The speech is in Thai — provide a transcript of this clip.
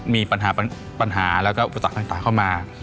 มีปัญหาแล้วก็ประสาขนตาเข้ามา